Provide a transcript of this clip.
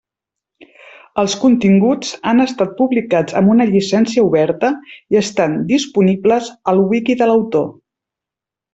Els continguts han estat publicats amb una llicència oberta i estan disponibles al wiki de l'autor.